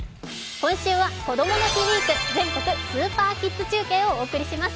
今週は「こどもの日ウイーク全国スーパーキッズ中継」をお送りします。